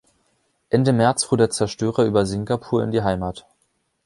Ende März fuhr der Zerstörer über Singapur in die Heimat.